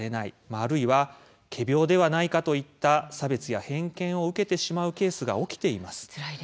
あるいは仮病ではないかといった差別や偏見を受けてしまうケースが起きています。